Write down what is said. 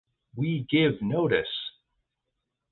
We give notice!